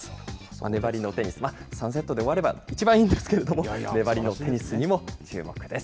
粘りのテニス、３セットで終わればいちばんいいんですけれども、粘りのテニスにも注目です。